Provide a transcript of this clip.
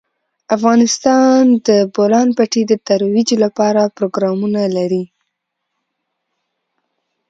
افغانستان د د بولان پټي د ترویج لپاره پروګرامونه لري.